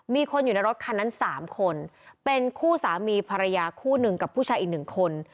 มีคนอยู่ในรถคันนั้น๓คนเป็นคู่สามีภรรยาคู่หนึ่งกับผู้ชายอีก๑คน